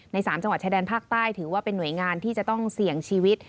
๓จังหวัดชายแดนภาคใต้ถือว่าเป็นหน่วยงานที่จะต้องเสี่ยงชีวิต